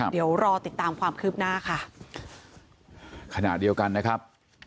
เดี๋ยวรอติดตามความคืบหน้าค่ะขณะเดียวกันนะครับ